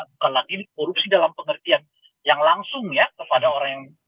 bukan lagi korupsi dalam pengertian yang langsung ya kepada orang yang